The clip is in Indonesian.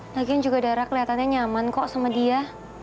lagian juga dara kelihatannya nyaman kok sama dia